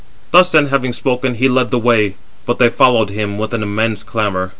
Thus then having spoken, he led the way, but they followed him with an immense clamour.